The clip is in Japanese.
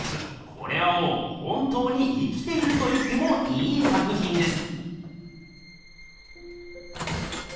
これはもう本当に生きていると言ってもいい作ひんです。